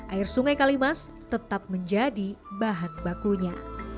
air sungai kalimas tetap menjadi bahan bakunya